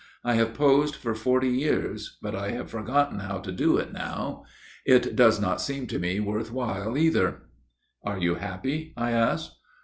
I have posed for forty years, but I have forgotten how to do it now. It does not seem to me worth while, either.' "' Are you happy ?' I asked.